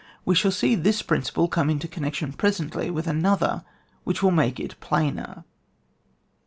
We shall see this principle come into connection presently with another which will make it plainer.